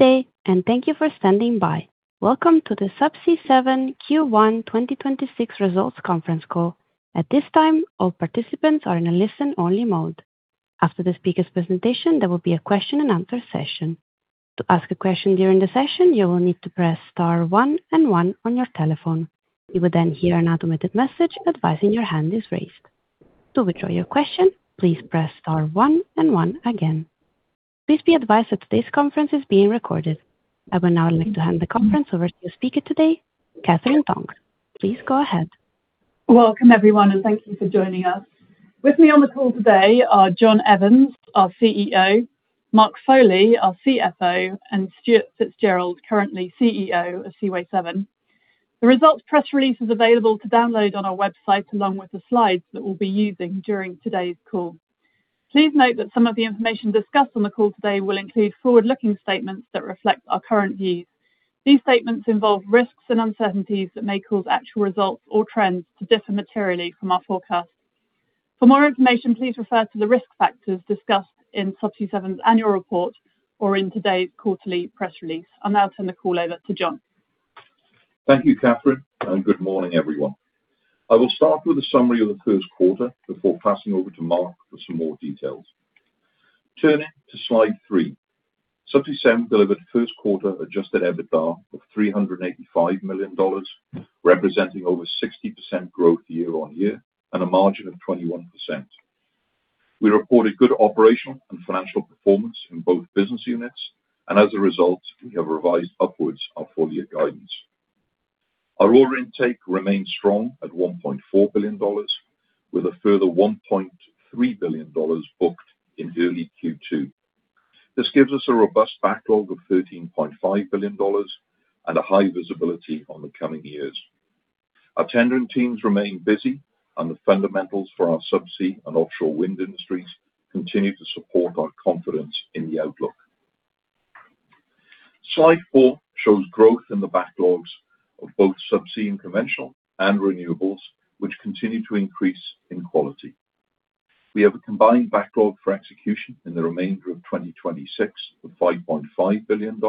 Day, and thank you for standing by. Welcome to the Subsea7 Q1 2026 results conference call. At this time all participants are in a listen-only mode. After the speakers' presentation, there will be a Question and Answer session. To ask a question here in the session, you will need to press star one and one on your telephone, you will then hear an automated message that your hand is raised. To withdraw your question, please press star one and one again. I would now like to hand the conference over to the speaker today, Katherine Tonks. Please go ahead. Welcome everyone, and thank you for joining us. With me on the call today are John Evans, our CEO, Mark Foley, our CFO, and Stuart Fitzgerald, currently CEO of Seaway7. The results press release is available to download on our website, along with the slides that we'll be using during today's call. Please note that some of the information discussed on the call today will include forward-looking statements that reflect our current views. These statements involve risks and uncertainties that may cause actual results or trends to differ materially from our forecasts. For more information, please refer to the risk factors discussed in Subsea7's annual report or in today's quarterly press release. I'll now turn the call over to John. Thank you, Katherine, and good morning, everyone. I will start with a summary of the first quarter before passing over to Mark for some more details. Turning to slide three, Subsea7 delivered first quarter adjusted EBITDA of $385 million, representing over 60% growth year-over-year and a margin of 21%. We reported good operational and financial performance in both business units, as a result, we have revised upwards our full year guidance. Our order intake remains strong at $1.4 billion, with a further $1.3 billion booked in early Q2. This gives us a robust backlog of $13.5 billion and a high visibility on the coming years. Our tendering teams remain busy, the fundamentals for our subsea and offshore wind industries continue to support our confidence in the outlook. Slide four shows growth in the backlogs of both Subsea and Conventional and Renewables, which continue to increase in quality. We have a combined backlog for execution in the remainder of 2026 of $5.5 billion,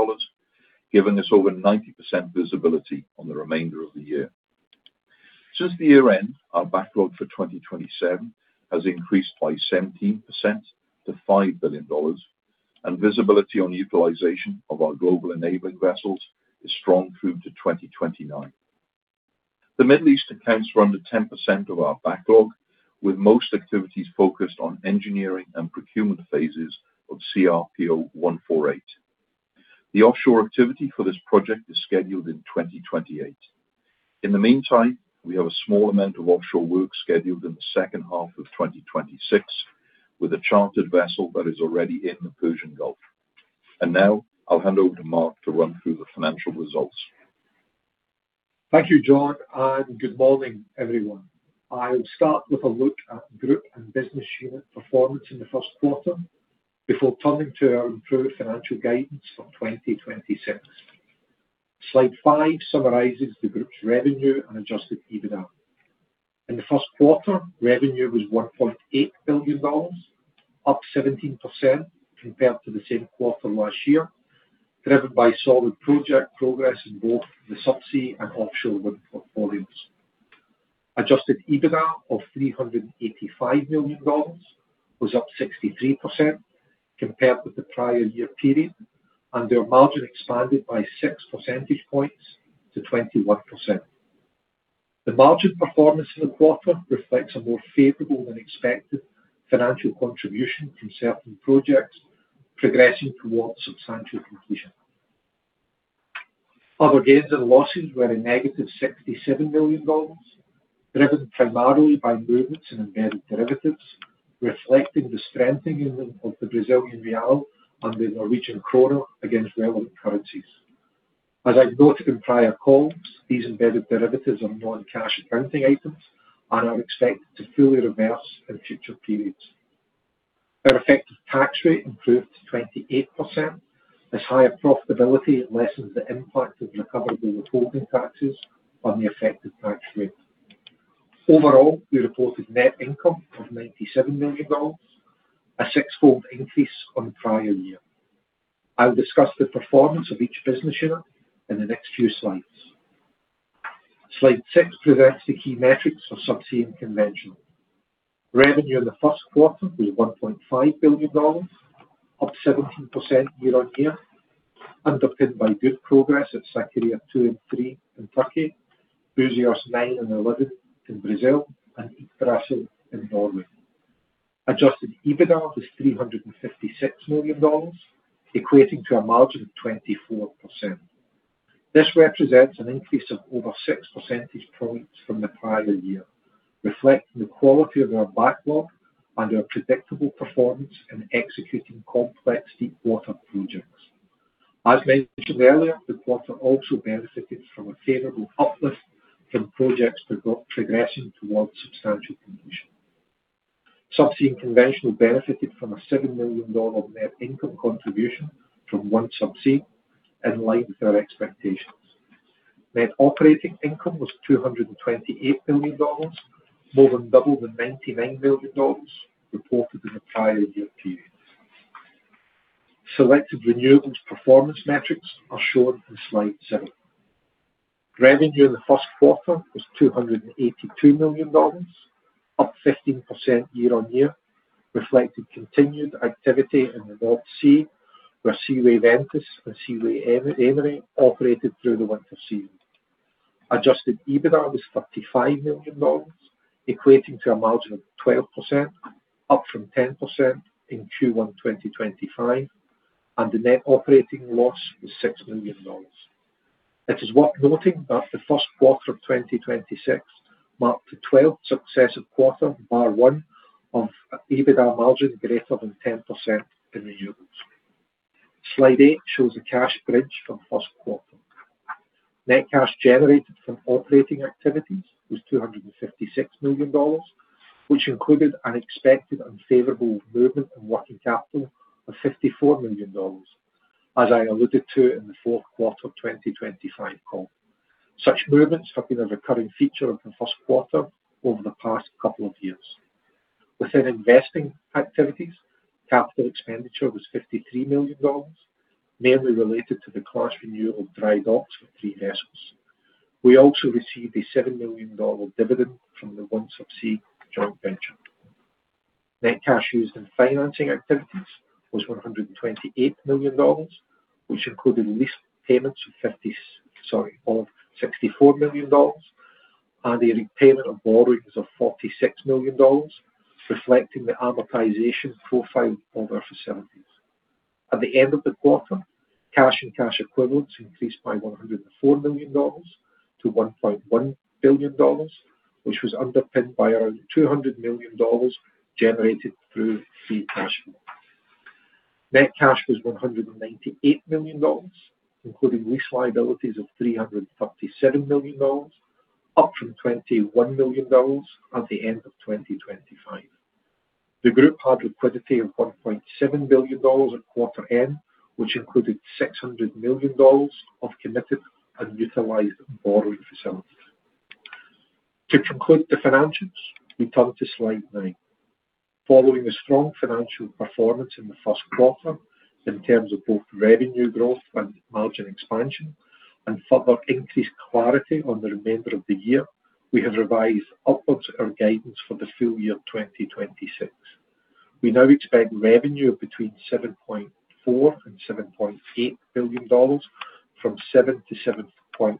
giving us over 90% visibility on the remainder of the year. Since the year-end, our backlog for 2027 has increased by 17% to $5 billion, and visibility on utilization of our global enabling vessels is strong through to 2029. The Middle East accounts for under 10% of our backlog, with most activities focused on engineering and procurement phases of CRPO 148. The offshore activity for this project is scheduled in 2028. In the meantime, we have a small amount of offshore work scheduled in the second half of 2026 with a chartered vessel that is already in the Persian Gulf. Now I'll hand over to Mark to run through the financial results. Thank you, John. Good morning, everyone. I'll start with a look at group and business unit performance in the first quarter before turning to our improved financial guidance for 2026. Slide five summarizes the group's revenue and adjusted EBITDA. In the first quarter, revenue was $1.8 billion, up 17% compared to the same quarter last year, driven by solid project progress in both the subsea and offshore wind portfolios. Adjusted EBITDA of $385 million was up 63% compared with the prior year period, and their margin expanded by 6 percentage points to 21%. The margin performance in the quarter reflects a more favorable than expected financial contribution from certain projects progressing towards substantial completion. Other gains and losses were a -$67 million, driven primarily by movements in embedded derivatives, reflecting the strengthening of the Brazilian real and the Norwegian kroner against relevant currencies. As I've noted in prior calls, these embedded derivatives are non-cash accounting items and are expected to fully reverse in future periods. Our effective tax rate improved to 28% as higher profitability lessens the impact of recoverable withholding taxes on the effective tax rate. Overall, we reported net income of $97 million, a six-fold increase on the prior year. I'll discuss the performance of each business unit in the next few slides. Slide six presents the key metrics for Subsea and Conventional. Revenue in the first quarter was $1.5 billion, up 17% year-on-year, underpinned by good progress at Sakarya Two and Three in Turkey, Búzios 9 and Búzios 11 in Brazil, and Ekofisk in Norway. Adjusted EBITDA was $356 million, equating to a margin of 24%. This represents an increase of over six percentage points from the prior year, reflecting the quality of our backlog and our predictable performance in executing complex deep water projects. As mentioned earlier, the quarter also benefited from a favorable uplift from projects progressing towards substantial completion. Subsea and Conventional benefited from a $7 million net income contribution from OneSubsea, in line with our expectations. Net operating income was $228 million, more than double the $99 million reported in the prior year period. Selected Renewables performance metrics are shown in slide seven. Revenue in the first quarter was $282 million, up 15% year-on-year, reflecting continued activity in the North Sea, where Seaway Ventus and Seaway Aimery operated through the winter season. Adjusted EBITDA was $35 million, equating to a margin of 12%, up from 10% in Q1 2025, and the net operating loss was $6 million. It is worth noting that the first quarter of 2026 marked the 12th successive quarter, bar one, of EBITDA margin greater than 10% in Renewables. Slide eight shows the cash bridge from first quarter. Net cash generated from operating activities was $256 million, which included an expected unfavorable movement in working capital of $54 million, as I alluded to in the fourth quarter of 2025 call. Such movements have been a recurring feature of the first quarter over the past couple of years. Within investing activities, capital expenditure was $53 million, mainly related to the class renewal dry docks for three vessels. We also received a $7 million dividend from the OneSubsea joint venture. Net cash used in financing activities was $128 million, which included lease payments of $64 million and a repayment of borrowings of $46 million, reflecting the amortization profile of our facilities. At the end of the quarter, cash and cash equivalents increased by $104 million to $1.1 billion, which was underpinned by around $200 million generated through free cash flow. Net cash was $198 million, including lease liabilities of $337 million, up from $21 million at the end of 2025. The group had liquidity of $1.7 billion at quarter end, which included $600 million of committed and utilized borrowing facilities. To conclude the financials, we turn to slide nine. Following a strong financial performance in the first quarter in terms of both revenue growth and margin expansion and further increased clarity on the remainder of the year, we have revised upwards our guidance for the full year 2026. We now expect revenue of between $7.4 billion and $7.8 billion from $7 billion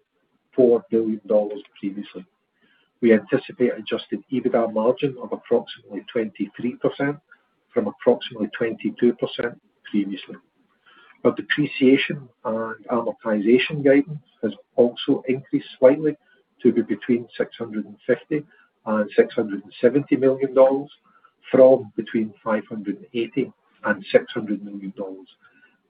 to $7.4 billion previously. We anticipate adjusted EBITDA margin of approximately 23% from approximately 22% previously. Our depreciation and amortization guidance has also increased slightly to be between $650 million and $670 million from between $580 million and $600 million,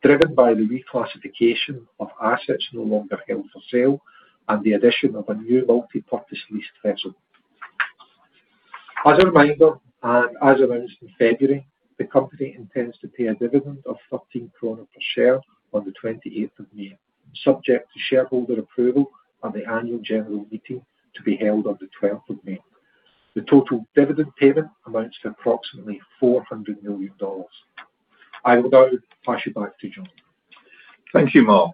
driven by the reclassification of assets no longer held for sale and the addition of a new multi-purpose lease vessel. As a reminder, as announced in February, the company intends to pay a dividend of 13 kroner per share on the 28th of May, subject to shareholder approval at the annual general meeting to be held on the 12th of May. The total dividend payment amounts to approximately $400 million. I will now pass you back to John. Thank you, Mark.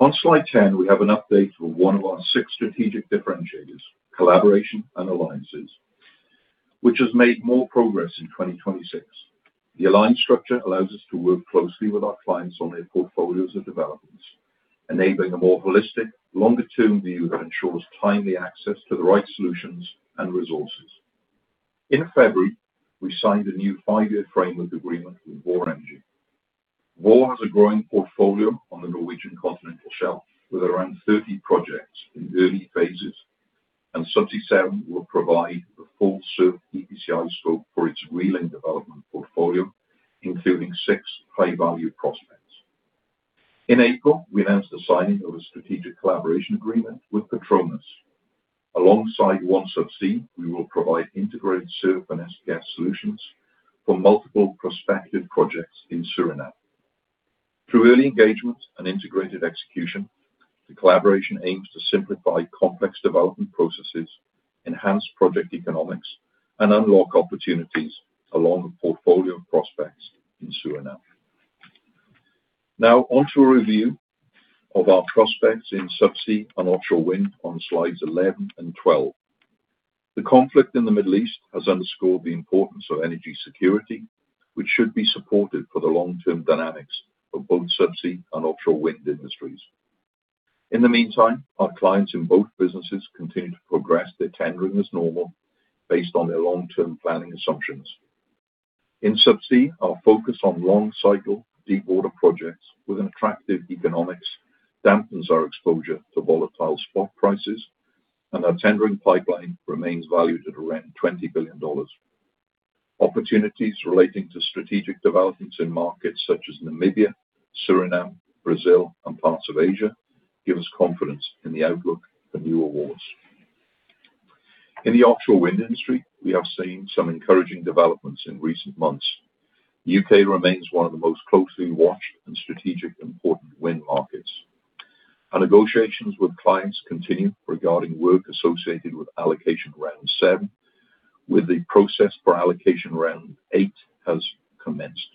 On slide 10, we have an update for one of our six strategic differentiators, collaboration and alliances, which has made more progress in 2026. The alliance structure allows us to work closely with our clients on their portfolios of developments, enabling a more holistic, longer-term view that ensures timely access to the right solutions and resources. In February, we signed a new five-year framework agreement with Vår Energi. Vår has a growing portfolio on the Norwegian continental shelf, with around 30 projects in early phases, and Subsea7 will provide the full SURF EPCI scope for its reeling development portfolio, including six high-value prospects. In April, we announced the signing of a strategic collaboration agreement with PETRONAS. Alongside OneSubsea, we will provide integrated SURF and SPS solutions for multiple prospective projects in Suriname. Through early engagement and integrated execution, the collaboration aims to simplify complex development processes, enhance project economics, and unlock opportunities along the portfolio of prospects in Suriname. Now onto a review of our prospects in Subsea and offshore wind on slides 11 and 12. The conflict in the Middle East has underscored the importance of energy security, which should be supported for the long-term dynamics of both Subsea and offshore wind industries. In the meantime, our clients in both businesses continue to progress their tendering as normal based on their long-term planning assumptions. In Subsea, our focus on long-cycle deepwater projects with an attractive economics dampens our exposure to volatile spot prices, and our tendering pipeline remains valued at around $20 billion. Opportunities relating to strategic developments in markets such as Namibia, Suriname, Brazil, and parts of Asia give us confidence in the outlook for new awards. In the offshore wind industry, we have seen some encouraging developments in recent months. U.K. remains one of the most closely watched and strategic important wind markets. Our negotiations with clients continue regarding work associated with Allocation Round 7, with the process for Allocation Round 8 has commenced.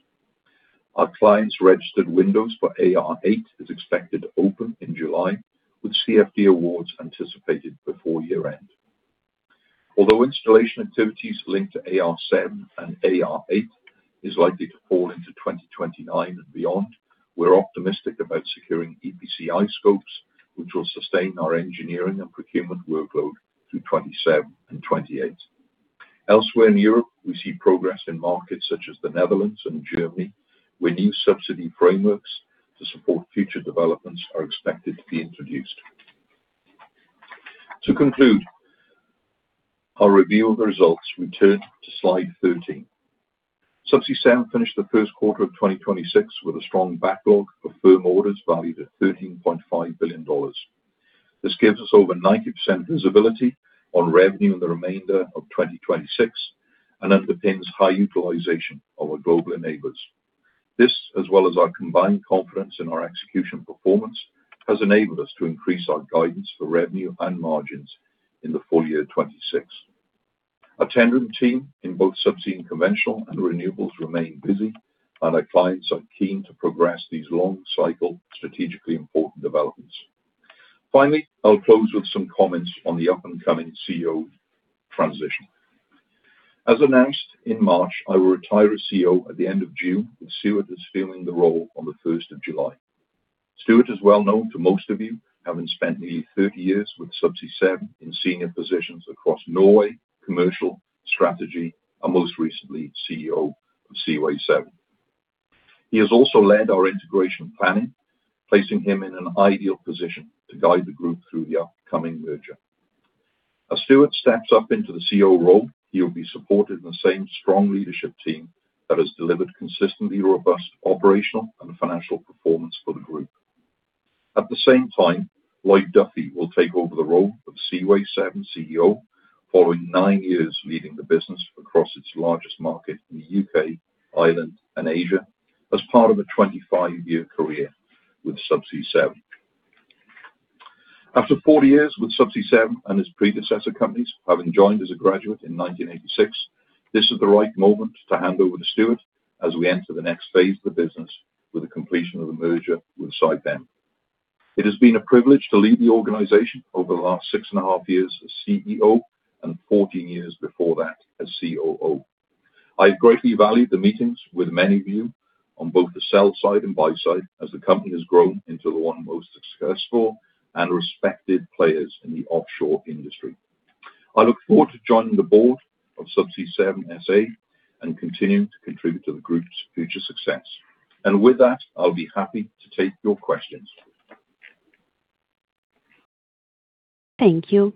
Our clients registered windows for AR8 is expected to open in July, with CFD awards anticipated before year-end. Although installation activities linked to AR7 and AR8 is likely to fall into 2029 and beyond, we're optimistic about securing EPCI scopes, which will sustain our engineering and procurement workload through 2027 and 2028. Elsewhere in Europe, we see progress in markets such as the Netherlands and Germany, where new subsidy frameworks to support future developments are expected to be introduced. To conclude our review of the results, we turn to slide 13. Subsea7 finished the first quarter of 2026 with a strong backlog of firm orders valued at $13.5 billion. This gives us over 90% visibility on revenue in the remainder of 2026 and underpins high utilization of our global enablers. This, as well as our combined confidence in our execution performance, has enabled us to increase our guidance for revenue and margins in the full year 2026. Our tender team in both Subsea and Conventional and Renewables remain busy, and our clients are keen to progress these long cycle, strategically important developments. Finally, I'll close with some comments on the up-and-coming CEO transition. As announced in March, I will retire as CEO at the end of June, with Stuart assuming the role on the 1st of July. Stuart is well known to most of you, having spent nearly 30 years with Subsea7 in senior positions across Norway, commercial, strategy, and most recently, CEO of Seaway7. He has also led our integration planning, placing him in an ideal position to guide the group through the upcoming merger. As Stuart steps up into the CEO role, he will be supported in the same strong leadership team that has delivered consistently robust operational and financial performance for the group. At the same time, Lloyd Duffy will take over the role of Seaway7 CEO following nine years leading the business across its largest market in the U.K., Ireland, and Asia as part of a 25-year career with Subsea7. After 40 years with Subsea7 and his predecessor companies, having joined as a graduate in 1986, this is the right moment to hand over to Stuart as we enter the next phase of the business with the completion of the merger with Saipem. It has been a privilege to lead the organization over the last six and a half years as CEO and 14 years before that as COO. I greatly valued the meetings with many of you on both the sell side and buy side as the company has grown into the one most successful and respected players in the offshore industry. I look forward to joining the Board of Subsea7 S.A. and continuing to contribute to the group's future success. With that, I'll be happy to take your questions. Thank you.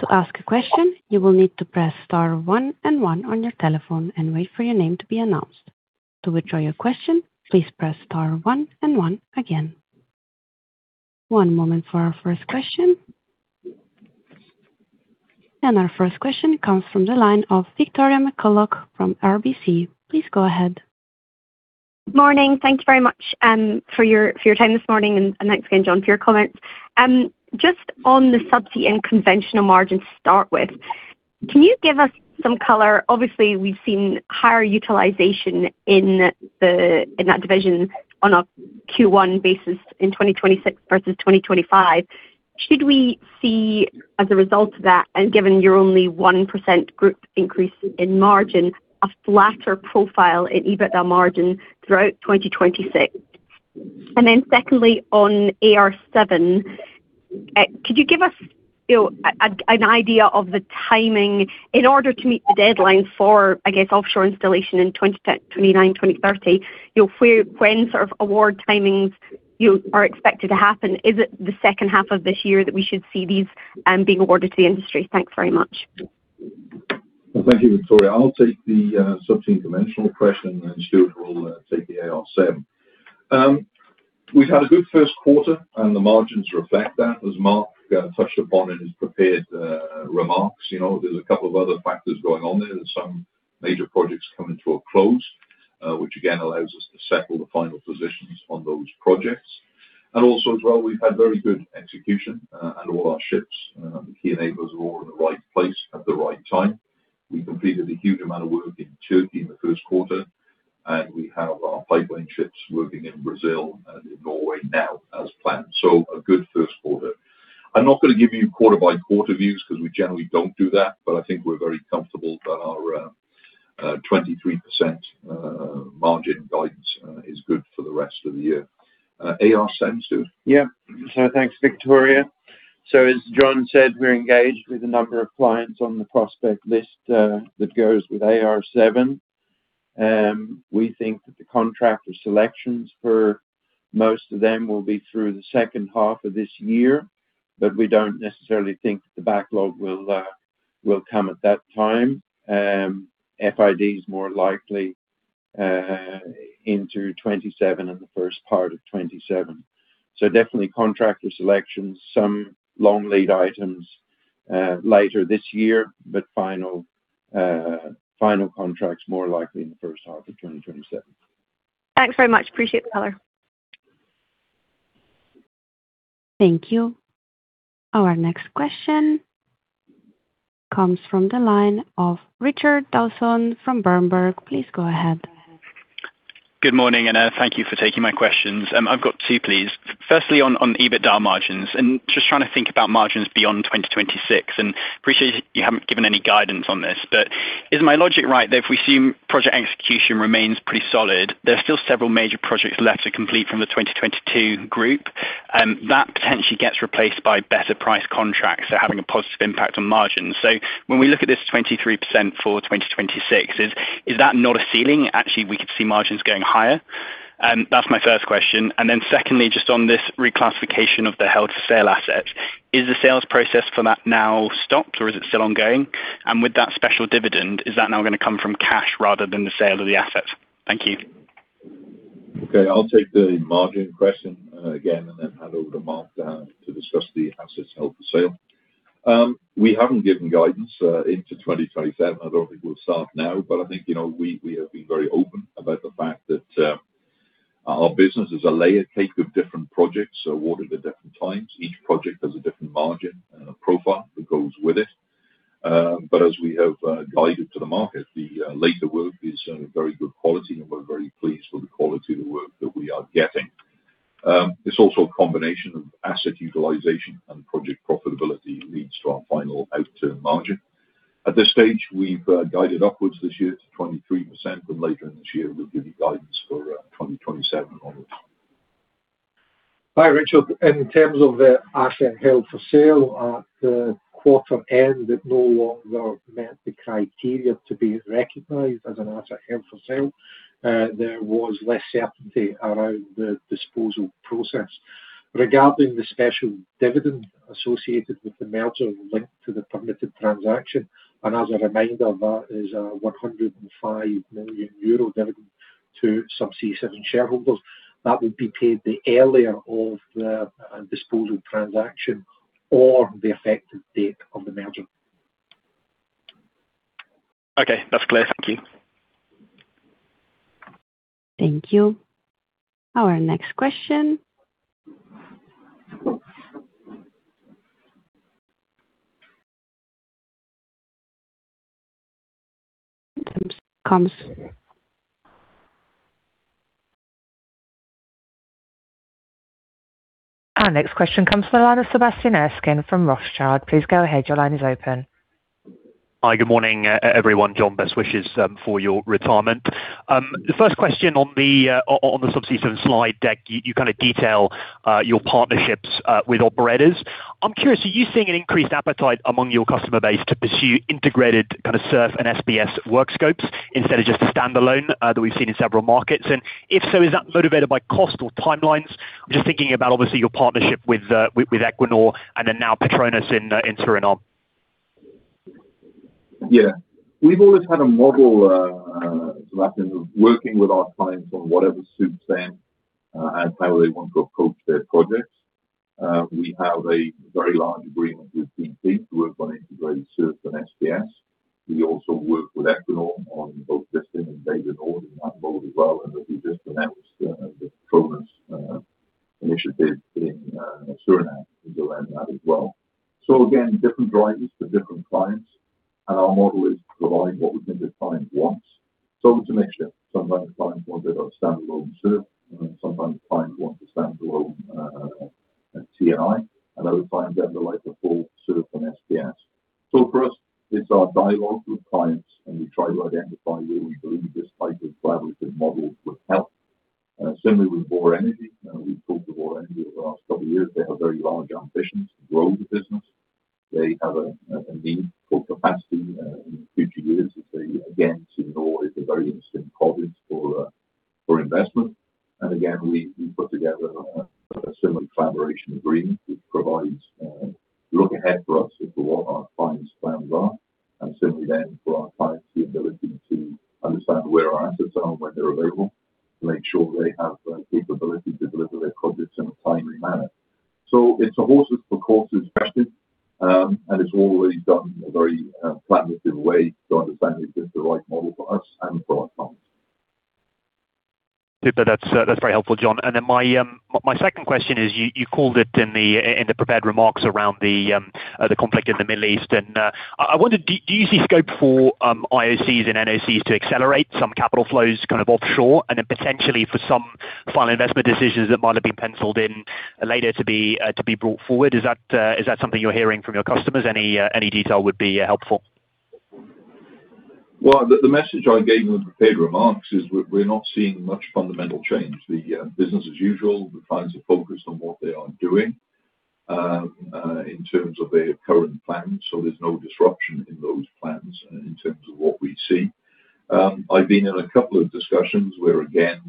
To ask a question, you will need to press star one and one on your telephone and wait for your name to be announced. To withdraw your question, please press star one and one again. One moment for our first question. Our first question comes from the line of Victoria McCulloch from RBC. Please go ahead. Morning. Thank you very much for your time this morning, and thanks again, John, for your comments. Just on the Subsea and Conventional margins to start with, can you give us some color? Obviously, we've seen higher utilization in that division on a Q1 basis in 2026 versus 2025. Should we see as a result of that, and given your only 1% group increase in margin, a flatter profile in EBITDA margin throughout 2026? Secondly, on AR7, could you give us an idea of the timing in order to meet the deadline for, I guess, offshore installation in 2029, 2030, where, when sort of award timings are expected to happen. Is it the second half of this year that we should see these being awarded to the industry? Thanks very much. Thank you, Victoria. I'll take the Subsea and Conventional question, and Stuart will take the AR7. We've had a good first quarter, and the margins reflect that, as Mark touched upon in his prepared remarks. You know, there's a couple of other factors going on there. There's some major projects coming to a close, which again, allows us to settle the final positions on those projects. Also as well, we've had very good execution, and all our ships, the key enablers are all in the right place at the right time. We completed a huge amount of work in Turkey in the first quarter, and we have our pipelaying ships working in Brazil and in Norway now as planned. A good first quarter. I'm not gonna give you quarter-by-quarter views because we generally don't do that. I think we're very comfortable that our 23% margin guidance is good for the rest of the year. AR7, Stuart. Thanks, Victoria. As John said, we're engaged with a number of clients on the prospect list that goes with AR7. We think that the contractor selections for most of them will be through the second half of this year, but we don't necessarily think the backlog will come at that time. FID is more likely into 2027 and the first part of 2027. Definitely contractor selections, some long lead items, later this year, but final contracts more likely in the first half of 2027. Thanks very much. Appreciate the color. Thank you. Our next question comes from the line of Richard Dawson from Berenberg. Please go ahead. Good morning, and thank you for taking my questions. I've got two, please. Firstly, on EBITDA margins and just trying to think about margins beyond 2026 and appreciate you haven't given any guidance on this, but is my logic right that if we assume project execution remains pretty solid, there are still several major projects left to complete from the 2022 group, that potentially gets replaced by better price contracts, so having a positive impact on margins. When we look at this 23% for 2026, is that not a ceiling? Actually, we could see margins going higher? That's my first question. Secondly, just on this reclassification of the held for sale assets, is the sales process for that now stopped or is it still ongoing? With that special dividend, is that now gonna come from cash rather than the sale of the assets? Thank you. Okay. I'll take the margin question again, and then hand over to Mark to discuss the assets held for sale. We haven't given guidance into 2027. I don't think we'll start now, but I think, you know, we have been very open about the fact that our business is a layer cake of different projects awarded at different times. Each project has a different margin and a profile that goes with it. As we have guided to the market, the later work is very good quality, and we're very pleased with the quality of the work that we are getting. It's also a combination of asset utilization and project profitability leads to our final outturn margin. At this stage, we've guided upwards this year to 23%, but later in this year we'll give you guidance for 2027 onwards. Hi, Richard. In terms of the asset held for sale at the quarter end, it no longer met the criteria to be recognized as an asset held for sale. There was less certainty around the disposal process. Regarding the special dividend associated with the merger linked to the permitted transaction, and as a reminder, that is 105 million euro dividend to Subsea7 shareholders. That would be paid the earlier of the disposal transaction or the effective date of the merger. Okay. That's clear. Thank you. Thank you. Our next question. Our next question comes from the line of Sebastian Erskine from Rothschild. Please go ahead. Your line is open. Hi, good morning, everyone. John, best wishes for your retirement. The first question on the Subsea7 slide deck, you kinda detail your partnerships with operators. I'm curious, are you seeing an increased appetite among your customer base to pursue integrated kinda SURF and SPS work scopes instead of just a standalone that we've seen in several markets? If so, is that motivated by cost or timelines? I'm just thinking about obviously your partnership with Equinor and then now PETRONAS in Suriname. Yeah. We've always had a model, Sebastian, of working with our clients on whatever suits them and how they want to approach their projects. We have a very large agreement with BP to work on integrated SURF and SPS. We also work with Equinor on both Wisting and Bay du Nord in that role as well. As we just announced, the PETRONAS initiative in Suriname, we go in that as well. Again, different drivers for different clients. Our model is to provide what we think the client wants. So it's a mixture. Sometimes clients want a bit of standalone SURF, and then sometimes clients want a standalone T&I. Other times, they would like a full SURF and SPS. For us, it's our dialogue with clients, and we try to identify where we believe this type of collaborative model would help. Similarly with Vår Energi. We've talked to Vår Energi over the last couple of years. They have very large ambitions to grow the business. They have a need for capacity in the future years as they begin to originate the various different projects for investment. Again, we put together a similar collaboration agreement which provides a look ahead for us into what our clients' plans are, and certainly then for our clients the ability to understand where our assets are and when they're available to make sure they have the capability to deliver their projects in a timely manner. It's a horses for courses question, and it's all really done in a very pragmatic way to understand if it's the right model for us and for our clients. Super. That's very helpful, John. My second question is you called it in the prepared remarks around the conflict in the Middle East. I wonder do you see scope for IOCs and NOCs to accelerate some capital flows kind of offshore and then potentially for some final investment decisions that might have been penciled in later to be brought forward? Is that something you're hearing from your customers? Any detail would be helpful. Well, the message I gave in the prepared remarks is we're not seeing much fundamental change. The business as usual, the clients are focused on what they are doing in terms of their current plans, so there's no disruption in those plans in terms of what we see. I've been in a couple of discussions where again,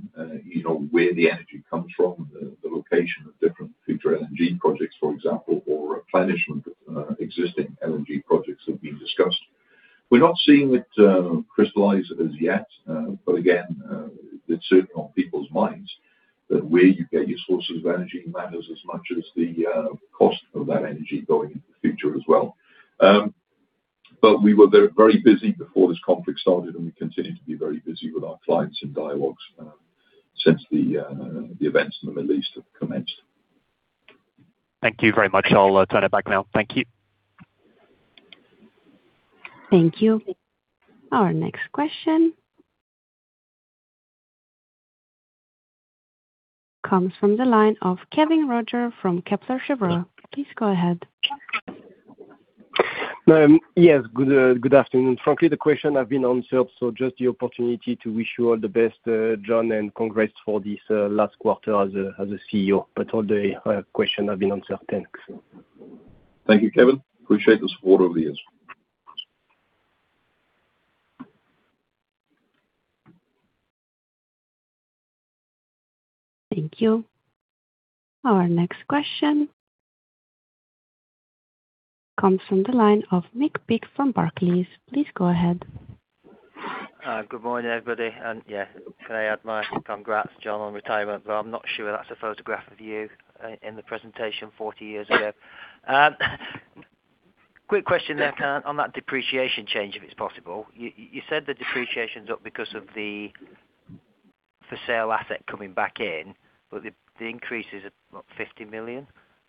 you know, where the energy comes from, the location of different for LNG projects, for example, or replenishment of existing LNG projects have been discussed. We're not seeing it crystallize as yet, but again, it's certainly on people's minds that where you get your sources of energy matters as much as the cost of that energy going into the future as well. We were very busy before this conflict started, we continue to be very busy with our clients and dialogues since the events in the Middle East have commenced. Thank you very much. I'll turn it back now. Thank you. Thank you. Our next question comes from the line of Kévin Roger from Kepler Cheuvreux. Please go ahead. Yes, good afternoon. Frankly, the question has been answered, so just the opportunity to wish you all the best, John, and congrats for this last quarter as a CEO, but all the question have been answered. Thanks. Thank you, Kévin. Appreciate the support over the years. Thank you. Our next question comes from the line of Mick Pickup from Barclays. Please go ahead. Good morning, everybody. Yeah, can I add my congrats, John, on retirement, but I'm not sure that's a photograph of you in the presentation 40 years ago. Quick question on that depreciation change, if it's possible. You said the depreciation is up because of the for sale asset coming back in, but the increase is, what, $50 million,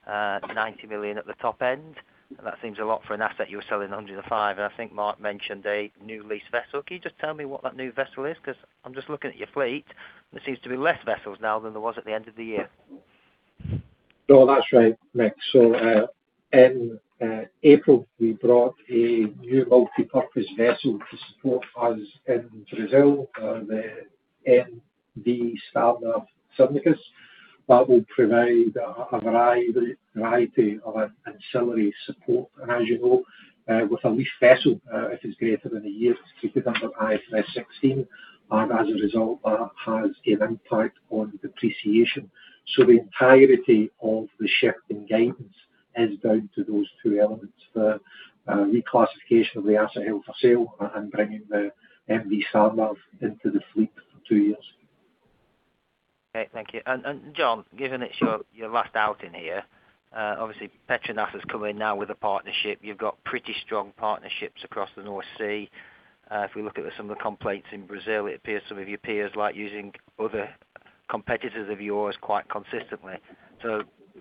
$90 million at the top end. That seems a lot for an asset you were selling under the five. I think Mark mentioned a new lease vessel. Can you just tell me what that new vessel is? 'Cause I'm just looking at your fleet, and there seems to be less vessels now than there was at the end of the year. No, that's right, Mick. In April, we brought a new multipurpose vessel to support us in Brazil, the MV Sandar Symmigus. That will provide a variety of an ancillary support. As you know, with a lease vessel, if it's greater than a year, it's treated under IFRS 16, and as a result, that has an impact on depreciation. The entirety of the shift in guidance is down to those two elements. The reclassification of the asset held for sale and bringing the MV Sandar into the fleet for two years. Thank you. John, given it's your last outing here, obviously PETRONAS has come in now with a partnership. You've got pretty strong partnerships across the North Sea. If we look at some of the complaints in Brazil, it appears some of your peers like using other competitors of yours quite consistently.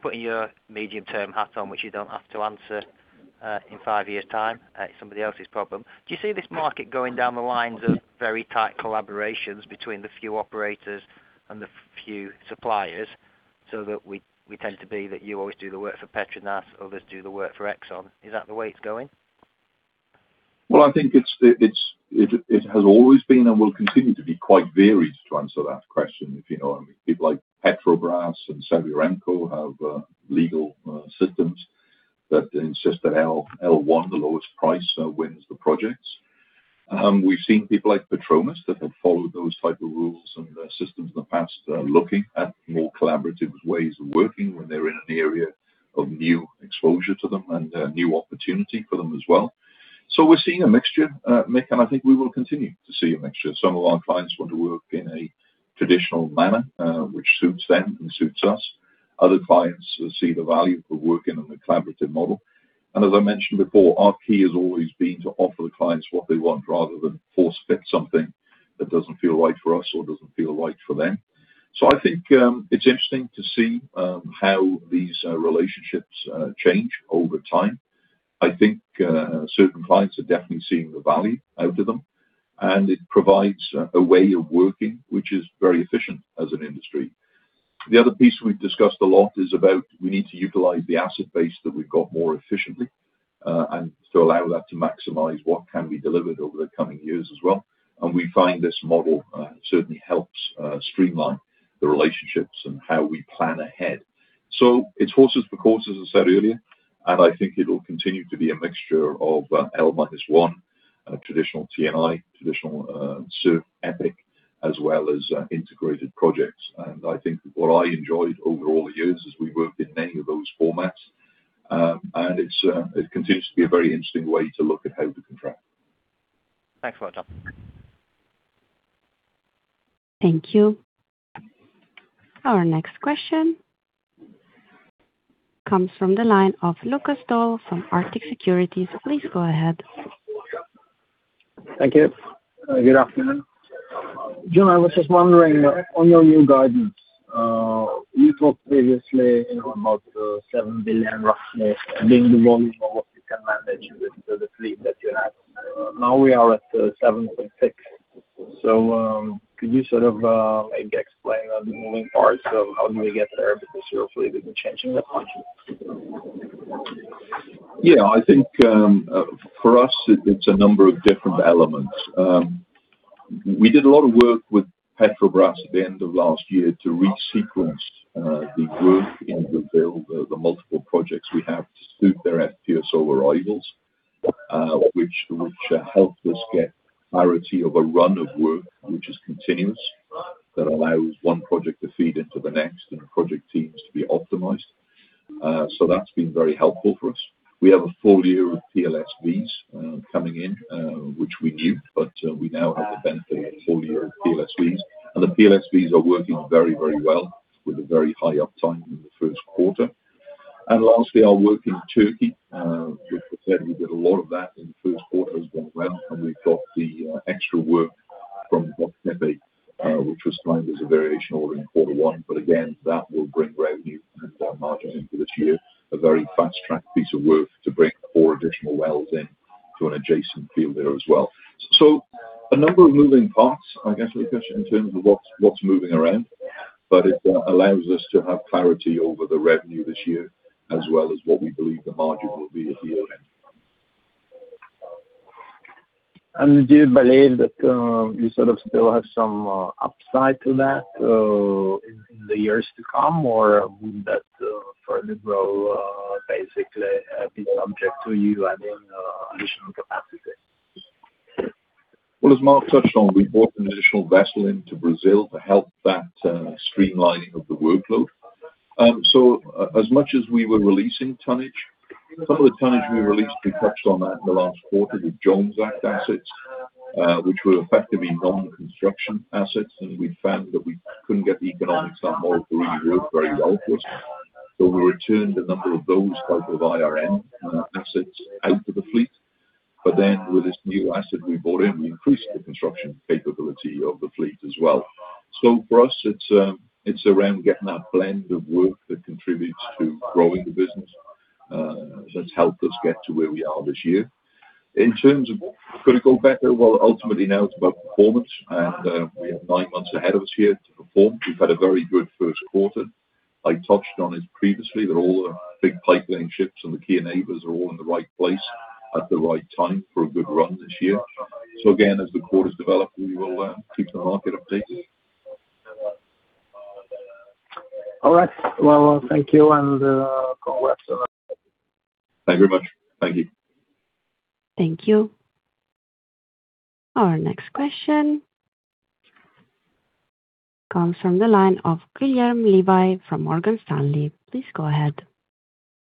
Putting your medium-term hat on, which you don't have to answer, in five years' time, it's somebody else's problem. Do you see this market going down the lines of very tight collaborations between the few operators and the few suppliers so that you always do the work for PETRONAS, others do the work for Exxon? Is that the way it's going? Well, I think it has always been and will continue to be quite varied, to answer that question. If you know, people like Petrobras and Saipem have legal systems that insist that L1, the lowest price, wins the projects. We've seen people like Petrobras that have followed those type of rules and systems in the past are looking at more collaborative ways of working when they're in an area of new exposure to them and a new opportunity for them as well. We're seeing a mixture, Mick, and I think we will continue to see a mixture. Some of our clients want to work in a traditional manner, which suits them and suits us. Other clients see the value of working on the collaborative model. As I mentioned before, our key has always been to offer the clients what they want rather than force fit something that doesn't feel right for us or doesn't feel right for them. I think it's interesting to see how these relationships change over time. I think certain clients are definitely seeing the value out of them, and it provides a way of working, which is very efficient as an industry. The other piece we've discussed a lot is about we need to utilize the asset base that we've got more efficiently, and to allow that to maximize what can be delivered over the coming years as well. We find this model certainly helps streamline the relationships and how we plan ahead. It's horses for courses, as I said earlier, and I think it'll continue to be a mixture of L-1, traditional T&I, traditional SURF EPCI, as well as integrated projects. I think what I enjoyed over all the years is we worked in many of those formats, and it's, it continues to be a very interesting way to look at how we contract. Thanks a lot, John. Thank you. Our next question comes from the line of Lukas Daul from Arctic Securities. Please go ahead. Thank you. Good afternoon. John, I was just wondering on your new guidance, you talked previously about $7 billion roughly being the volume of what you can manage with the fleet that you have. Now we are at $7.6 billion. Could you sort of maybe explain the moving parts of how do we get there? Because your fleet isn't changing that much. I think, for us, it's a number of different elements. We did a lot of work with Petrobras at the end of last year to re-sequence the growth in Brazil, the multiple projects we have to suit their FPSO arrivals. Which help us get clarity of a run of work which is continuous, that allows one project to feed into the next and the project teams to be optimized. That's been very helpful for us. We have a full year of PLSVs coming in, which we knew, we now have the benefit of full year of PLSVs. The PLSVs are working very well with a very high uptime in the first quarter. Lastly, our work in Turkey, which I said we did a lot of that in the first quarter, has gone well, and we've got the extra work from inaudible, which was claimed as a variation order in quarter one. Again, that will bring revenue and margins into this year. A very fast-tracked piece of work to bring four additional wells in to an adjacent field there as well. A number of moving parts, I guess, Lukas, in terms of what's moving around. It allows us to have clarity over the revenue this year, as well as what we believe the margin will be at year-end. Do you believe that, you sort of still have some upside to that in the years to come? Or would that further grow, basically, be subject to you adding additional capacity? As Mark touched on, we brought an additional vessel into Brazil to help that streamlining of the workload. As much as we were releasing tonnage, some of the tonnage we released, we touched on that in the last quarter, with Jones Act assets, which were effectively non-construction assets. We'd found that we couldn't get the economics of that model to really work very well for us. We returned a number of those type of IRM assets out of the fleet. With this new asset we brought in, we increased the construction capability of the fleet as well. For us, it's around getting that blend of work that contributes to growing the business that's helped us get to where we are this year. In terms of could it go better, well, ultimately now it's about performance. We have nine month ahead of us here to perform. We've had a very good first quarter. I touched on it previously, that all the big pipelaying ships and the key enablers are all in the right place at the right time for a good run this year. Again, as the quarters develop, we will keep the market updated. All right. Well, thank you, and congrats. Thank you very much. Thank you. Thank you. Our next question comes from the line of Guilherme Levy from Morgan Stanley. Please go ahead.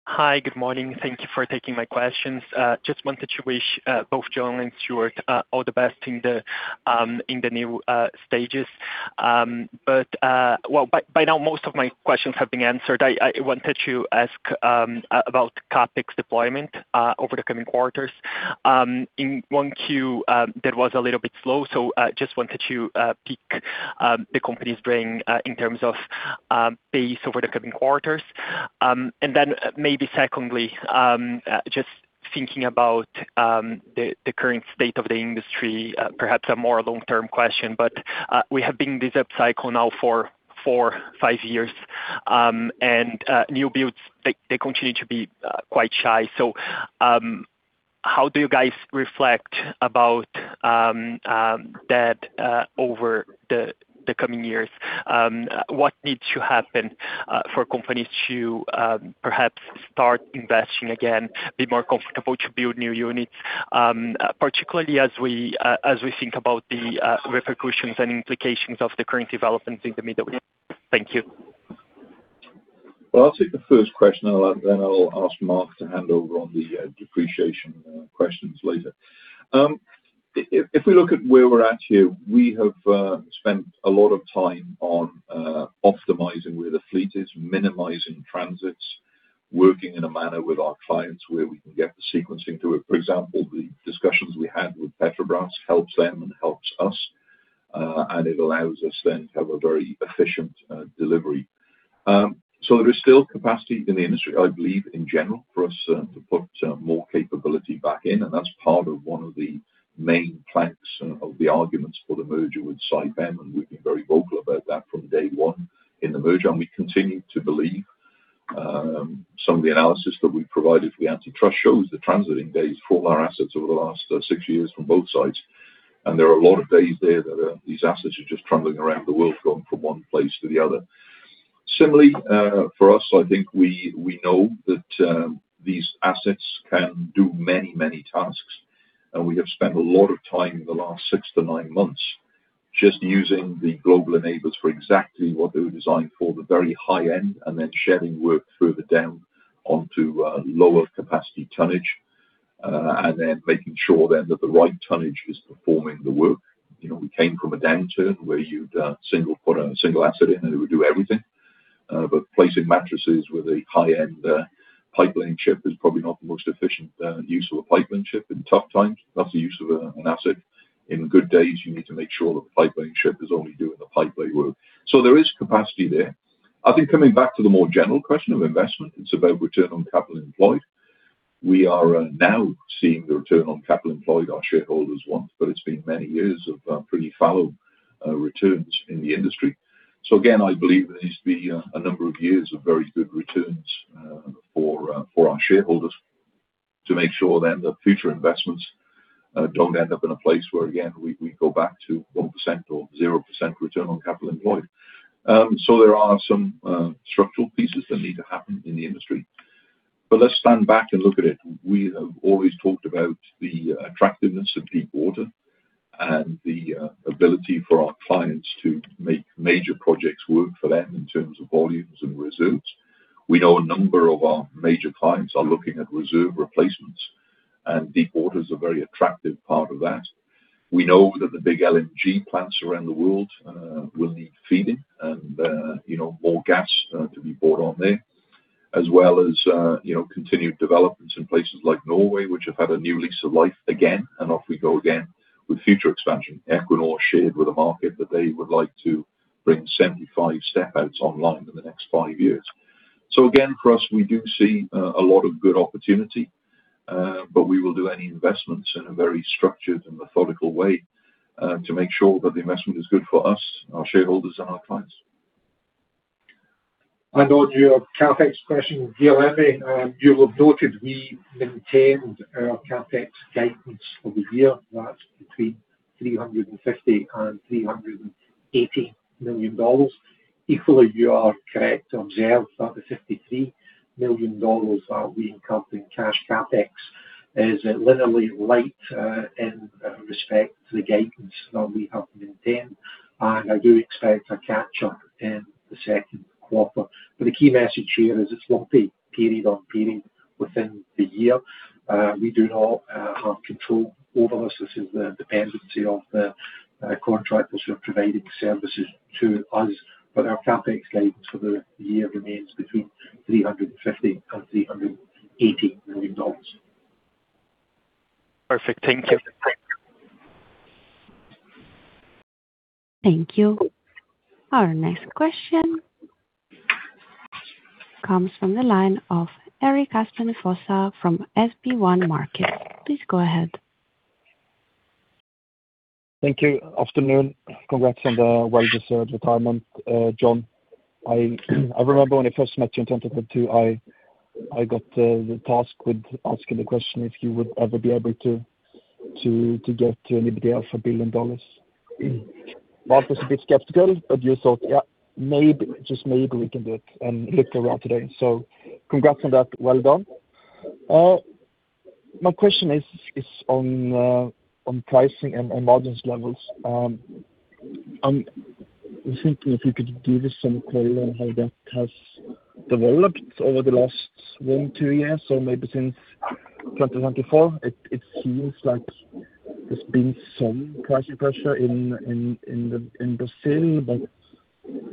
Hi. Good morning. Thank you for taking my questions. Just wanted to wish both John and Stuart all the best in the new stages. Well, by now, most of my questions have been answered. I wanted to ask about CapEx deployment over the coming quarters. In Q1, that was a little bit slow, so just wanted to peak the company's brain in terms of pace over the coming quarters. Then maybe secondly, just thinking about the current state of the industry, perhaps a more long-term question, we have been in this upcycle now for 4-5 years. New builds, they continue to be quite shy. How do you guys reflect about that over the coming years? What needs to happen for companies to perhaps start investing again, be more comfortable to build new units, particularly as we think about the repercussions and implications of the current developments in the Middle East? Thank you. I'll take the first question, and then I'll ask Mark to hand over on the depreciation questions later. If we look at where we're at here, we have spent a lot of time on optimizing where the fleet is, minimizing transits, working in a manner with our clients where we can get the sequencing to it. The discussions we had with Petrobras helps them and helps us, and it allows us then to have a very efficient delivery. There is still capacity in the industry, I believe, in general for us, to put more capability back in, and that's part of one of the main planks of the arguments for the merger with Saipem, and we've been very vocal about that from day one in the merger. We continue to believe, some of the analysis that we've provided for the antitrust shows the transiting days for our assets over the last six years from both sides. There are a lot of days there that these assets are just traveling around the world, going from one place to the other. Similarly, for us, I think we know that these assets can do many, many tasks, and we have spent a lot of time in the last six to nine months just using the global enablers for exactly what they were designed for, the very high end, and then shedding work further down onto lower capacity tonnage, and then making sure then that the right tonnage is performing the work. You know, we came from a downturn where you'd put a single asset in, and it would do everything. Placing mattresses with a high-end pipelaying ship is probably not the most efficient use of a pipelaying ship in tough times. That's the use of an asset. In good days, you need to make sure that the pipelaying ship is only doing the pipeline work. There is capacity there. I think coming back to the more general question of investment, it's about return on capital employed. We are now seeing the return on capital employed our shareholders want, but it's been many years of pretty fallow returns in the industry. Again, I believe there needs to be a number of years of very good returns for our shareholders to make sure then that future investments don't end up in a place where, again, we go back to 1% or 0% return on capital employed. So there are some structural pieces that need to happen in the industry. Let's stand back and look at it. We have always talked about the attractiveness of deep water and the ability for our clients to make major projects work for them in terms of volumes and reserves. We know a number of our major clients are looking at reserve replacements, and deep water is a very attractive part of that. We know that the big LNG plants around the world will need feeding and, you know, more gas to be brought on there, as well as, you know, continued developments in places like Norway, which have had a new lease of life again, and off we go again with future expansion. Equinor shared with the market that they would like to bring 75 step outs online in the next five years. Again, for us, we do see a lot of good opportunity, but we will do any investments in a very structured and methodical way to make sure that the investment is good for us, our shareholders and our clients. On your CapEx question, Guilherme, you will have noted we maintained our CapEx guidance for the year. That is between $350 million-$380 million. Equally, you are correct to observe that the $53 million that we incurred in cash CapEx is linearly light in respect to the guidance that we have maintained. I do expect a catch-up in the second quarter. The key message here is it's lumpy period on period within the year. We do not have control over this. This is the dependency of the contractors who are providing services to us. Our CapEx guidance for the year remains between $350 million-$380 million. Perfect. Thank you. Thank you. Our next question comes from the line of Erik Aspen Fosså from SB1 Markets. Please go ahead. Thank you. Afternoon. Congrats on the well-deserved retirement, John. I remember when I first met you in 2022, I got the task with asking the question if you would ever be able to get to anybody else $1 billion. Market was a bit skeptical, you thought, "Yeah, maybe, just maybe we can do it," and look where we are today. Congrats on that. Well done. My question is on pricing and margins levels. I'm thinking if you could give us some color on how that has developed over the last one, two years, or maybe since 2024. It seems like there's been some pricing pressure in Brazil,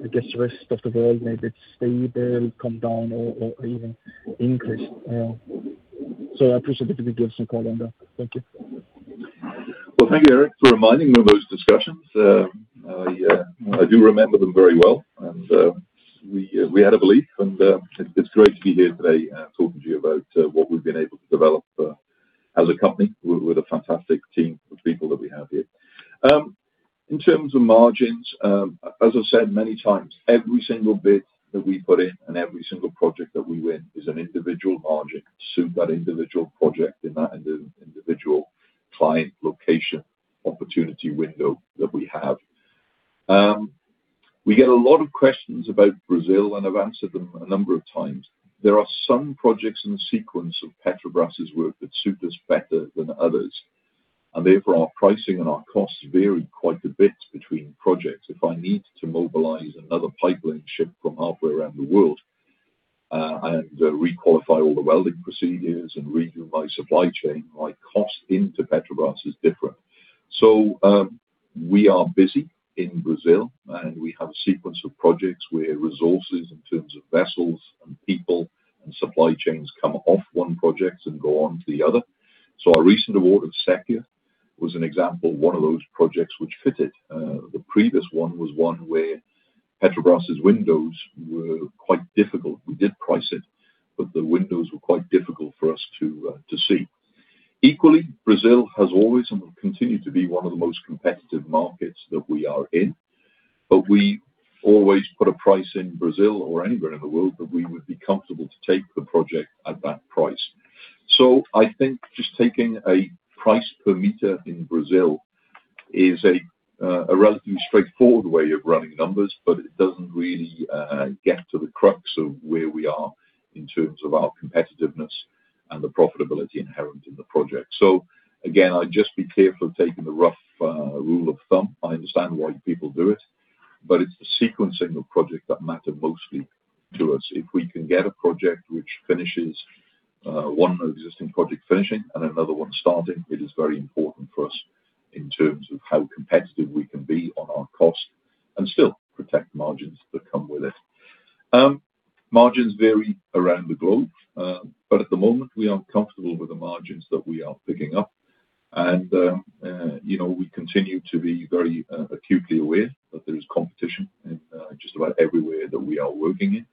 I guess the rest of the world may be stable, come down or even increase. I appreciate if you could give some color on that. Thank you. Well, thank you, Erik, for reminding me of those discussions. I do remember them very well and we had a belief and it's great to be here today talking to you about what we've been able to develop as a company with a fantastic team of people that we have here. In terms of margins, as I said many times, every single bid that we put in and every single project that we win is an individual margin to suit that individual project in that individual client location opportunity window that we have. We get a lot of questions about Brazil, I've answered them a number of times. There are some projects in the sequence of Petrobras' work that suit us better than others. Our pricing and our costs vary quite a bit between projects. If I need to mobilize another pipeline ship from halfway around the world, and requalify all the welding procedures and redo my supply chain, my cost into Petrobras is different. We are busy in Brazil, and we have a sequence of projects where resources in terms of vessels and people and supply chains come off one project and go on to the other. Our recent award of Sépia was an example of one of those projects which fitted. The previous one was one where Petrobras' windows were quite difficult. We did price it, but the windows were quite difficult for us to see. Equally, Brazil has always and will continue to be one of the most competitive markets that we are in. We always put a price in Brazil or anywhere in the world that we would be comfortable to take the project at that price. I think just taking a price per meter in Brazil is a relatively straightforward way of running numbers, but it doesn't really get to the crux of where we are in terms of our competitiveness and the profitability inherent in the project. Again, I'd just be careful of taking the rough rule of thumb. I understand why people do it. It's the sequencing of projects that matter mostly to us. If we can get a project which finishes, one existing project finishing and another one starting, it is very important for us in terms of how competitive we can be on our cost and still protect margins that come with it. Margins vary around the globe, but at the moment, we are comfortable with the margins that we are picking up. You know, we continue to be very acutely aware that there is competition in just about everywhere that we are working in.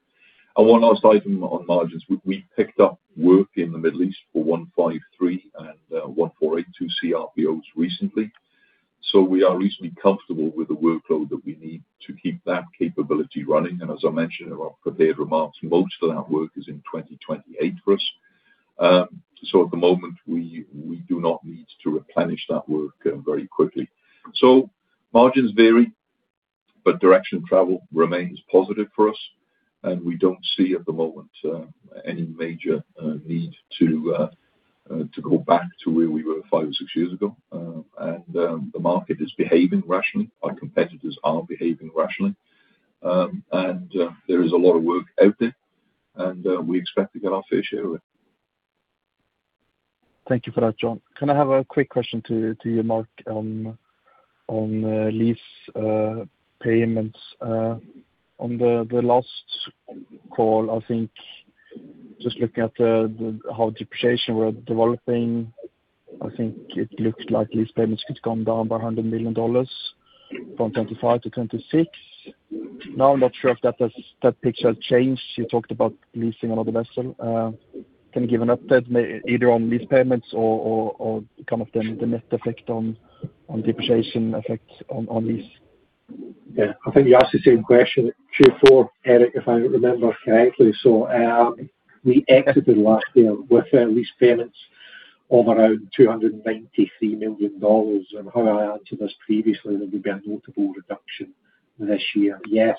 One last item on margins. We picked up work in the Middle East for CRPO 153 and CRPO 148 recently. We are reasonably comfortable with the workload that we need to keep that capability running. As I mentioned in our prepared remarks, most of that work is in 2028 for us. At the moment, we do not need to replenish that work very quickly. Margins vary, but direction of travel remains positive for us, and we don't see at the moment any major need to go back to where we were five or six years ago. The market is behaving rationally. Our competitors are behaving rationally. There is a lot of work out there, and we expect to get our fair share of it. Thank you for that, John. Can I have a quick question to you, Mark, on lease payments? On the last call, I think just looking at the how depreciation were developing, I think it looks like lease payments could come down by $100 million from 2025 to 2026. Now, I'm not sure if that picture has changed. You talked about leasing another vessel. Can you give an update either on lease payments or kind of the net effect on depreciation effect on these? Yeah. I think you asked the same question Q4, Erik, if I remember correctly. We exited last year with lease payments of around $293 million. How I answered this previously, there would be a notable reduction this year. Yes,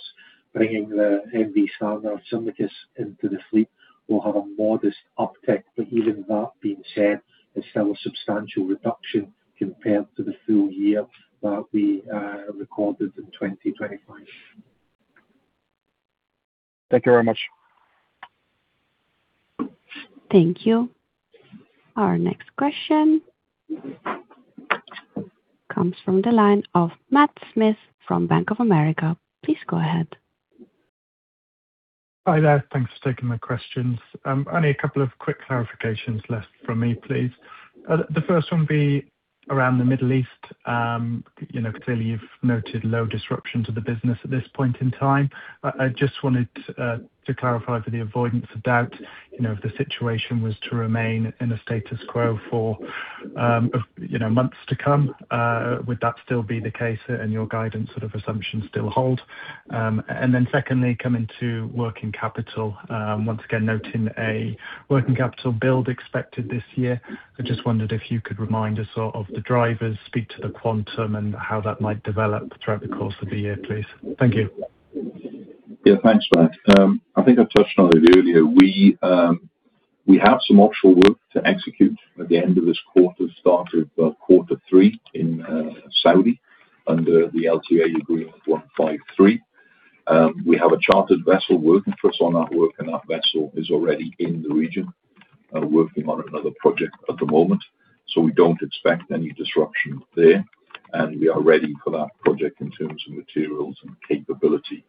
bringing the MV Sandar Symmigus into the fleet will have a modest uptick, but even that being said, it's still a substantial reduction compared to the full year that we recorded in 2025. Thank you very much. Thank you. Our next question comes from the line of Matt Smith from Bank of America. Please go ahead. Hi there. Thanks for taking my questions. Only a couple of quick clarifications left from me, please. The first one be around the Middle East. You know, clearly, you've noted low disruption to the business at this point in time. I just wanted to clarify for the avoidance of doubt, you know, if the situation was to remain in a status quo for, you know, months to come, would that still be the case and your guidance sort of assumption still hold? Secondly, coming to working capital, once again noting a working capital build expected this year. I just wondered if you could remind us of the drivers, speak to the quantum and how that might develop throughout the course of the year, please? Thank you. Thanks, Matt. I think I touched on it earlier. We have some offshore work to execute at the end of this quarter, start of quarter three in Saudi under the LTA agreement CRPO 153. We have a chartered vessel working for us on that work, and that vessel is already in the region, working on another project at the moment. We don't expect any disruption there, and we are ready for that project in terms of materials and capability.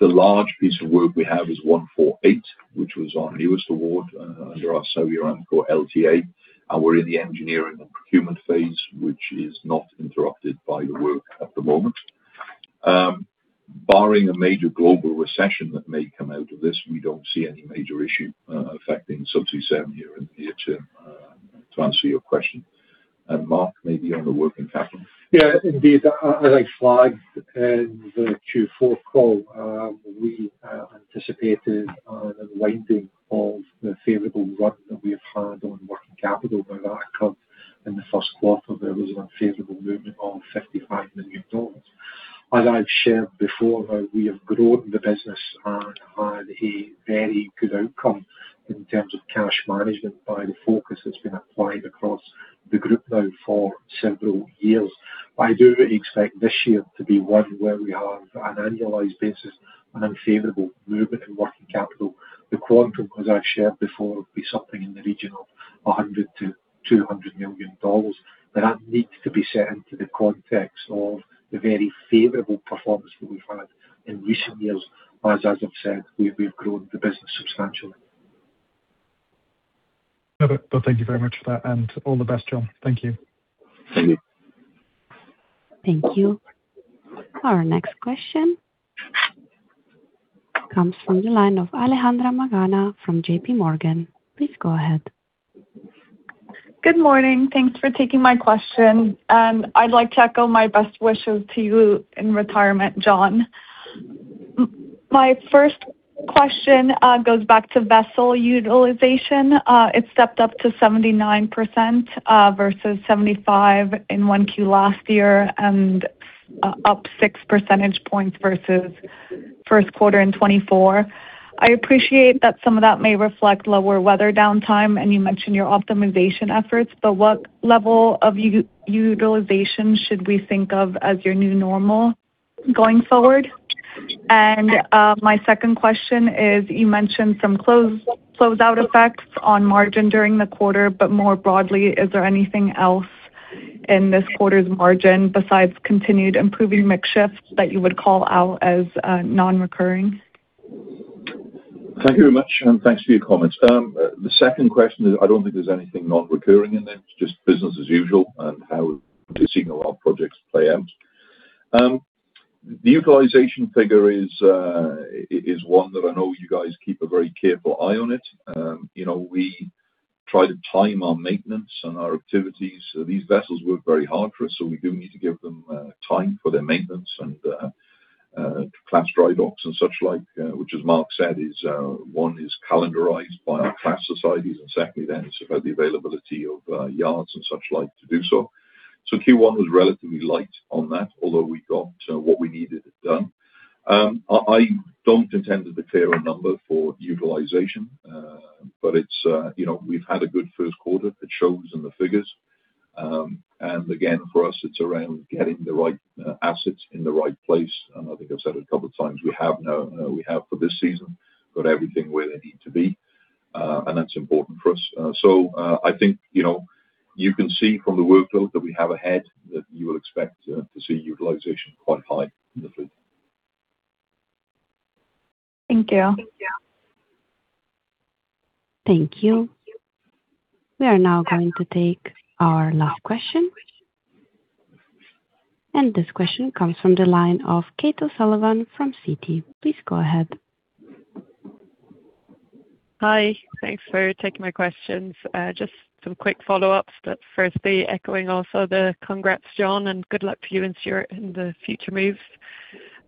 The large piece of work we have is CRPO 148, which was our newest award under our Saudi Aramco LTA. We're in the engineering and procurement phase, which is not interrupted by the work at the moment. Barring a major global recession that may come out of this, we don't see any major issue affecting Subsea7 here in the near term, to answer your question. Mark, maybe on the working capital. Indeed, as I flagged in the Q4 call, we anticipated an unwinding of the favorable run that we have had on working capital. That occurred in the first quarter. There was an unfavorable movement of $55 million. As I've shared before, we have grown the business and had a very good outcome in terms of cash management by the focus that's been applied across the group now for several years. I do expect this year to be one where we have, on an annualized basis, an unfavorable movement in working capital. The quantum, as I've shared before, will be something in the region of $100 million-$200 million. That needs to be set into the context of the very favorable performance that we've had in recent years as I've said, we've grown the business substantially. No, thank you very much for that and all the best, John. Thank you. Thank you. Thank you. Our next question comes from the line of Alejandra Mogollón from JPMorgan. Please go ahead. Good morning. Thanks for taking my question. I'd like to echo my best wishes to you in retirement, John. My first question goes back to vessel utilization. It stepped up to 79% versus 75% in Q1 last year and up 6 percentage points versus first quarter in 2024. I appreciate that some of that may reflect lower weather downtime, and you mentioned your optimization efforts, but what level of utilization should we think of as your new normal going forward? My second question is you mentioned some closeout effects on margin during the quarter, but more broadly, is there anything else in this quarter's margin besides continued improving mix shifts that you would call out as non-recurring? Thank you very much, and thanks for your comments. The second question is, I don't think there's anything non-recurring in there. It's just business as usual and how we've been seeing a lot of projects play out. The utilization figure is one that I know you guys keep a very careful eye on it. You know, we try to time our maintenance and our activities. These vessels work very hard for us, so we do need to give them time for their maintenance and class dry docks and such like, which as Mark said is, one is calendarized by our class societies, and secondly then it's about the availability of yards and such like to do so. Q1 was relatively light on that, although we got what we needed it done. I don't intend to declare a number for utilization. It's, you know, we've had a good first quarter. It shows in the figures. Again, for us, it's around getting the right assets in the right place. I think I've said a couple of times, we have now, we have for this season, got everything where they need to be. That's important for us. I think, you know, you can see from the workload that we have ahead that you will expect to see utilization quite high in the fleet. Thank you. Thank you. We are now going to take our last question. This question comes from the line of Kate O'Sullivan from Citi. Please go ahead. Hi. Thanks for taking my questions. Just some quick follow-ups. Firstly, echoing also the congrats, John, and good luck to you in Stuart in the future moves.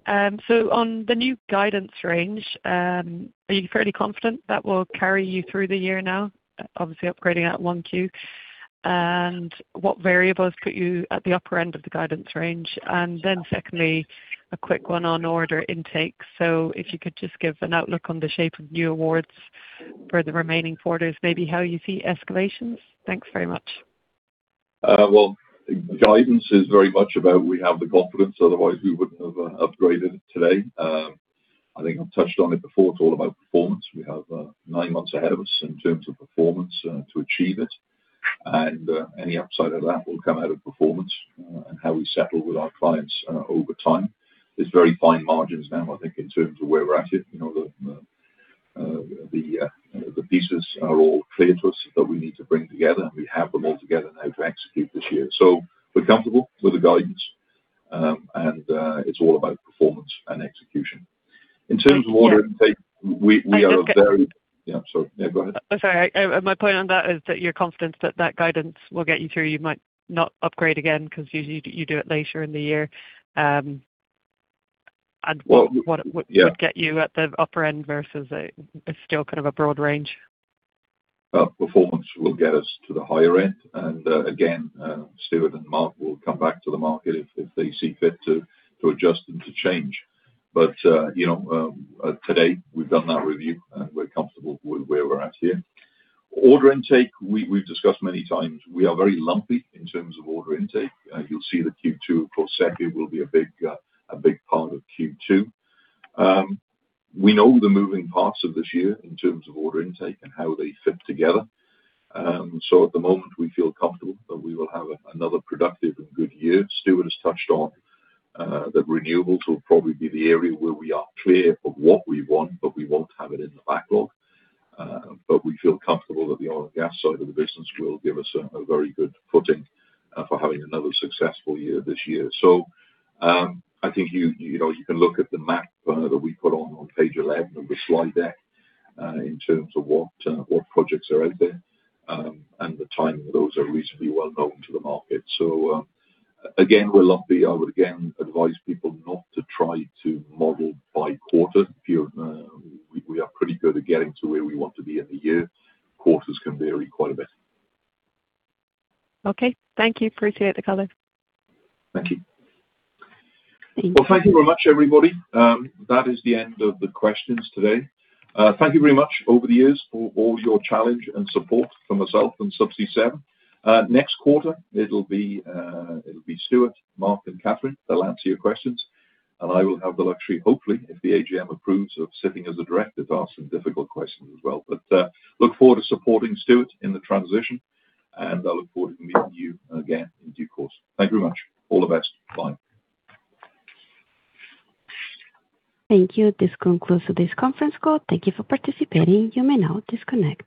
On the new guidance range, are you fairly confident that will carry you through the year now, obviously upgrading at Q1? What variables put you at the upper end of the guidance range? Secondly, a quick one on order intake. If you could just give an outlook on the shape of new awards for the remaining quarters, maybe how you see escalations. Thanks very much. Well, guidance is very much about we have the confidence, otherwise we wouldn't have upgraded today. I think I've touched on it before. It's all about performance. We have nine months ahead of us in terms of performance to achieve it. Any upside of that will come out of performance and how we settle with our clients over time. There's very fine margins now, I think, in terms of where we're at it. You know, the pieces are all clear to us that we need to bring together, and we have them all together now to execute this year. We're comfortable with the guidance, it's all about performance and execution. In terms of order intake, we are a very- I just Yeah, sorry. Yeah, go ahead. Oh, sorry. My point on that is that you're confident that that guidance will get you through. You might not upgrade again because usually you do it later in the year. Well, yeah. Would get you at the upper end versus it's still kind of a broad range. Performance will get us to the higher end. Again, Stuart and Mark will come back to the market if they see fit to adjust and to change. You know, today we've done that review, and we're comfortable with where we're at here. Order intake, we've discussed many times. We are very lumpy in terms of order intake. You'll see that Q2, of course, Seaway7 will be a big, a big part of Q2. We know the moving parts of this year in terms of order intake and how they fit together. At the moment, we feel comfortable that we will have another productive and good year. Stuart has touched on that Renewables will probably be the area where we are clear of what we want, but we won't have it in the backlog. But we feel comfortable that the oil and gas side of the business will give us a very good footing for having another successful year this year. I think you know, you can look at the map that we put on page 11 of the slide deck in terms of what projects are out there. The timing of those are reasonably well known to the market. Again, we're lumpy. I would again advise people not to try to model by quarter. If you're, we are pretty good at getting to where we want to be in the year. Quarters can vary quite a bit. Okay. Thank you. Appreciate the color. Thank you. Thank you. Well, thank you very much, everybody. That is the end of the questions today. Thank you very much over the years for all your challenge and support from myself and Subsea7. Next quarter, it'll be Stuart, Mark, and Katherine. They'll answer your questions. I will have the luxury, hopefully, if the AGM approves, of sitting as a director to ask some difficult questions as well. Look forward to supporting Stuart in the transition, and I look forward to meeting you again in due course. Thank you very much. All the best. Bye. Thank you. This concludes today's conference call. Thank you for participating. You may now disconnect.